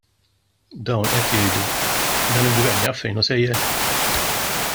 Dawn qed jgħidu: Dan il-Gvern jaf fejn hu sejjer?